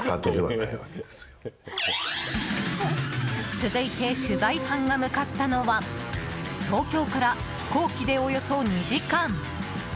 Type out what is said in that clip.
続いて取材班が向かったのは東京から飛行機で、およそ２時間。